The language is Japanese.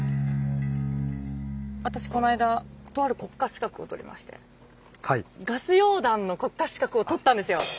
私この間とある国家資格を取りましてガス溶断の国家資格を取ったんですよ。